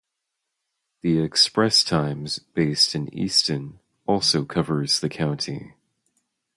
"The Express-Times", based in Easton, also covers the county.